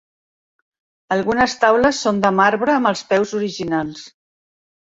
Algunes taules són de marbre amb els peus originals.